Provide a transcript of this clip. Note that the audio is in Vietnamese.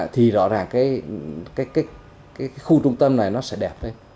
thì rõ ràng cái khu trung tâm này nó sẽ đẹp thế